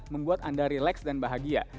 membuat anda relax dan bahagia